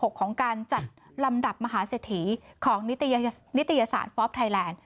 ของการจัดลำดับมหาเศรษฐีของนิตยสารฟอล์ฟไทยแลนด์